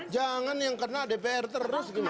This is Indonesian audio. jangan yang kena dpr terus gitu